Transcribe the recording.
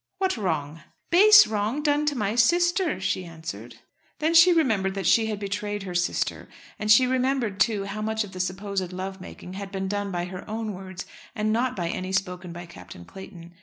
"What wrong?" "Base wrong done to my sister," she answered. Then she remembered that she had betrayed her sister, and she remembered too how much of the supposed love making had been done by her own words, and not by any spoken by Captain Clayton.